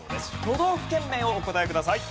都道府県名をお答えください。